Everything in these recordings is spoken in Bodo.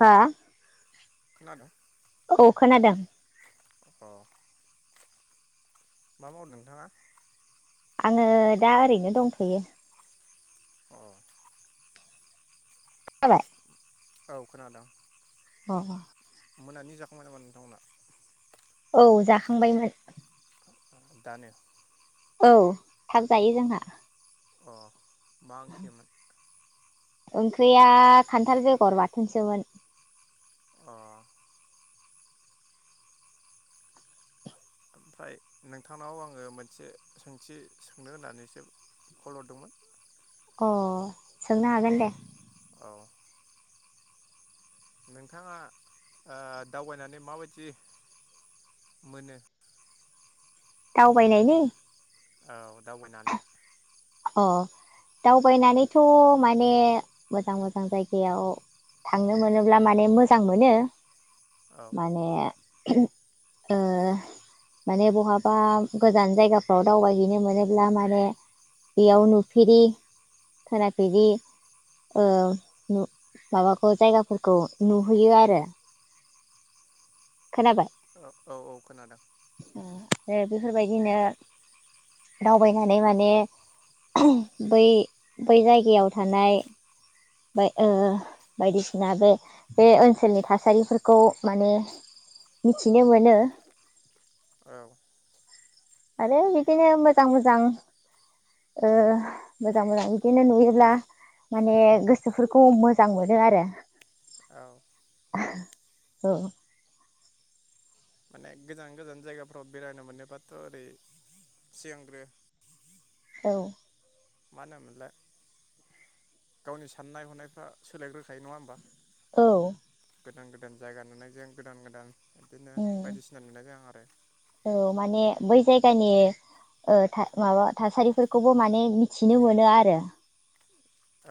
हा? खोनादों? औ खोनादों। अह मा मावदों नोंथाङा? आङो दा ओरैनो दंथ'यो। अह। नाबाय औ खोनादों। अह। मोनानि जाखांबाय नामा नोंथांमोना? औ जाखांबायमोन। दानो औ थाब जायो जोंहा। अह। मा ओंख्रिमोन? ओंख्रिया खान्थाल बेगर बाथोनसोमोन। अह। ओमफ्राय नोंथांनाव आङो मोनसे सोंथि सोंनो होननानैसो कल हरदोंमोन। अह। अ औ। नोंथाङा ओ दावबायनानै माबायदि मोनो? दावबायनायनि औ दावबायनानै अ दावबायनानैथ' माने मोजां मोजां जायगायाव थांनो मोनोब्ला माने मोजां मोनो। औ माने ओ माने बहाबा गोजान जायगाफ्राव दावबायहैनो मोनोब्ला माने बेयाव नुफेरि खोनाफेरि ओ नु माबाखौ जायगाफोरखौ नुहैयो आरो। खोनाबाय? औ औ औ खोनादों। ओ आरो बेफोरबायदिनो दावबायनानै माने बै बै जायगायाव थानाय ओ बायदिसिना बे बे ओनसोलनि थासारिफोरखौ माने मिथिनो मोनो। औ आरो बिदिनो मोजां मोजां ओ मोजां मोजां बिदिनो नुयोब्ला माने गोसोफोरखौ मोजां मोनो आरो। औ ओं माने गोजान गोजान जायगाफ्राव बेरायनो मोनोबाथ' ओरै सिगांग्रो औ मानो होनोमोनलाय गावनि साननाय हनायफ्रा सोलायग्रोखायो नङा होमबा? औ गोदान गोदान जायगा नुनाय जों गोदान गोदान बिदिनो उम बायदिसिना नुनाय जायो आं आरो औ माने बै जायगानि ओ था माबा थासारिफोरखौबो माने मिथिनो मोनो आरो।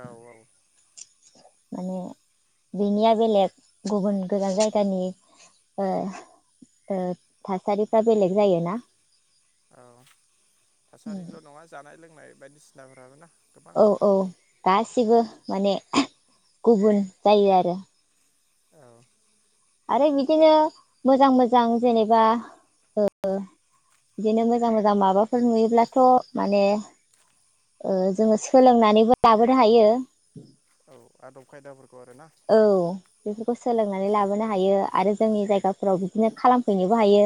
औ औ। माने बेनिया बेलेग गुबुन गोजान जायगानि ओ ओ थासारिफ्रा बेलेग जायोना। औ थासारिल' नङा जानाय लोंनाय बायदिसिनाफोराबो ना। गोबां औ औ गासिबो। माने गुबुन जायो आरो औ आरो बिदिनो मोजां मोजां जेनेबा ओ बिदिनो मोजां मोजां माबाफोर नुयोब्लाथ' माने ओ जोङो सोलोंनानैबो लाबोनो हायो। औ आदब खायदाफोरखौ आरोना औ बे सोलोंनानै लाबोनो हायो आरो जोंनि जायगाफोराव बिदिनो खालामफैनोबो हायो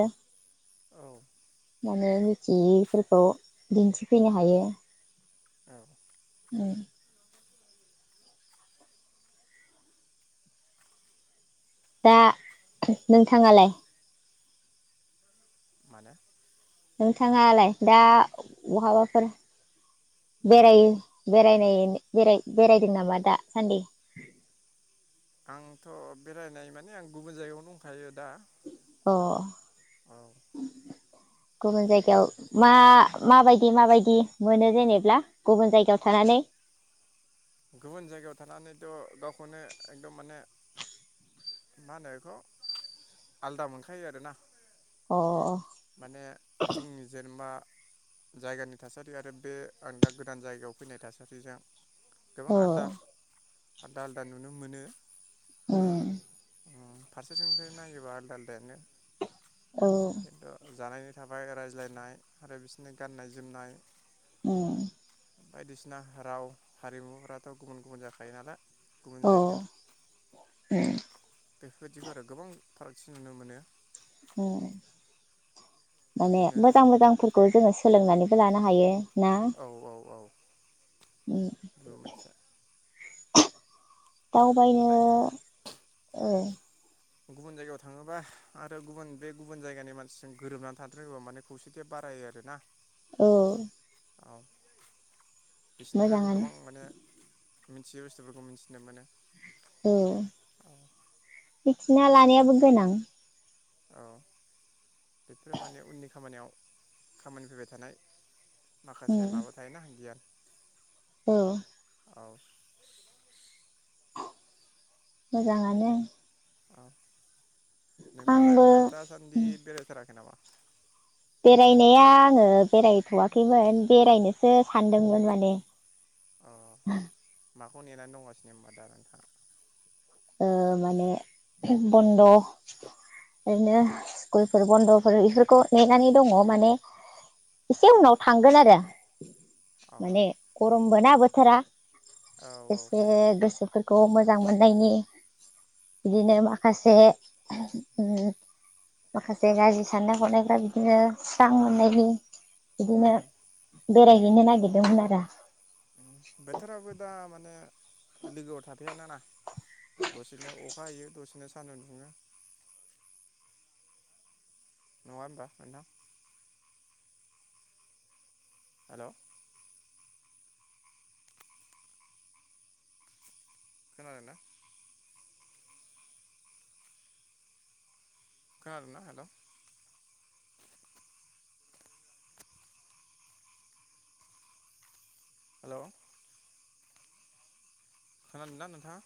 औ माने मिथियैफोरखौ दिन्थिफैनो हायो। औ। ओम। दा नोंथाङालाय? माने? नोंथाङालाय दा बहाबाफोर बेरायो बेराय बेरायदों नामा दासान्दि? आंथ' बेरायनाय माने आं गुबुन जायगायावनो दंखायो दा। अ औ [inaudible] गुबुन जायगायाव मा माबायदि माबायदि मोनो जेनेब्ला गुबुन जायगायाव थानानै? गुबुन जायगायाव थानानैथ' गावखौनो एकदम माने मा होनो बेखौ आलदा मोनखायो आरोना। अअ अ। माने जोंनि जेनेबा जायगानि थासारि आरो बे आं दा गोदान जायगायाव फैनाय थासारिजों गोबां औ आदाफ आलदा आलदा नुनो मोनो। उम उम फारसेथिंनिफ्राय नायोबा आलदा आलदायानो। औ खिन्थु जानायनि थाबाय रायज्लायनाय आरो बिसोरनि गाननाय जोमनाय उम बायदिसिना राव हारिमुफोराथ' गुबुन गुबुन जाखायो नालाय। गुबुन औ जायगायाव उम बेफोरबायदिखौ आरो गोबां फारागथि नुनो मोनो। उम। माने बिदिनो मोजां मोजांफोरखौ जोङो सोलोंनानै खौ लानो हायो। ना औ औ औ उम बेबो मोनसे। दावबायनो आरो ओ गुबुन जायगायाव थाङोबा आरो गुबुन बे गुबुन जायगानि मानसिजों गोरोबनानै थानो रोंबा माने खौसेथिया बारायो आरो ना। औ औ बिसोरनिफ्रायबो मोजाङानो गोबां माने मिथियै बुस्थुफोरखौ मिथिनो मोनो। औ औ मिथिना लानायाबो गोनां। औ बेफोरो माने उननि खामानियाव खामानि फैबाय थानाय। माखासे उम माबा थायोना गियान। औ। औ। मोजाङानो। औ। नोंथाङालाय आंबो ओमफाय दासान्दि बेरायथाराखै नामा? बेरायनाया आङो बेरायथ'वाखैमोन बेरायनोसो सानदोंमोन माने। अ [unintelligible] माखौ नेनानै दंगासिनो होमबा दा नोंथाङा? ओ माने बन्द' ओरैनो स्कुलफोर बन्द'फोर इफोरखौ नेनानै दङ' माने एसे उनाव थांगोन आरो अ माने गरम बोना बोथारा। औ औ एसे गोसो फोरखौ मोजां मोननायनि बिदिनो माखासे उम माखासे गाज्रि साननाय हनायफ्रा बिदिनो स्रां मोननायनि। बिदिनो बेरायहैनो नागिरदोंमोन आरो। बोथोराबो दा मा नो लोगोआव थाफाया ना ना दसेनो अखा हायो दसेनो सान्दुं दुङो। नङा होमबा नोंथां? हेलौ। खोनादों ना? खोनादों ना हेलौ? हेलौ। खोनादों ना नोंथाङा?